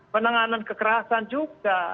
penanganan kekerasan juga